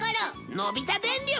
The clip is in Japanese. のび太電力！？